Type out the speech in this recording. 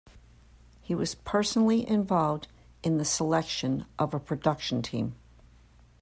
He was personally involved in the selection of a production team.